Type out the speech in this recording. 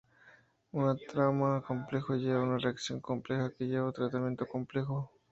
Un trauma complejo lleva a una reacción compleja que lleva a un tratamiento complejo.